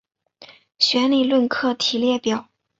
弦理论课题列表。